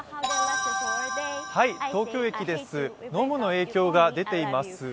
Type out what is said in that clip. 東京駅です、ちょっと影響が出ています。